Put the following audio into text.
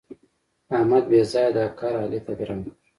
احمد بېځآیه دا کار علي ته ګران کړ.